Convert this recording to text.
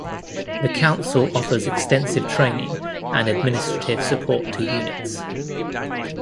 The council offers extensive training, and administrative support to units.